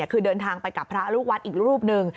คือเดินทางไปกับพระลูกวัดอีกรูปหนึ่ง